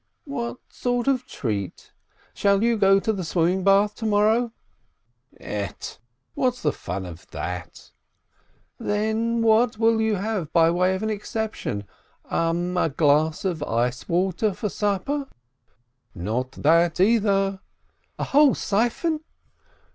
"What sort of a treat? Shall you go to the swim ming bath to morrow ?" "Ett ! What's the fun of that ?" "Then, what have you thought of by way of an exception? A glass of ice water for supper?" "Not that, either." "A whole siphon?"